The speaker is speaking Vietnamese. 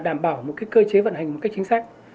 đảm bảo một cơ chế vận hành một cách chính xác